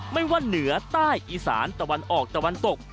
ไม่ว่าเหนือใต้อีสานตะวันออกตะวันตก